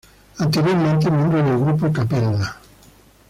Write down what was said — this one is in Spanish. Anteriormente miembro del grupo Cappella.